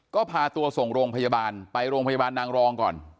ก็พาตัวส่งโรงพยาบาลไปโรงพยาบาลนางรองก่อน